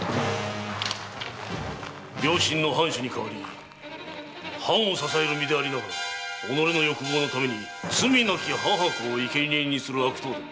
病身の藩主に代り藩を支える身でありながら己の欲望のために罪なき母子を生贄にする悪党ども！